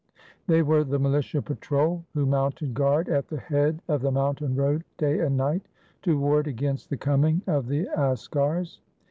They were the militia patrol, who mounted guard at the head of the mountain road day and night, to ward against the coming of the as kars.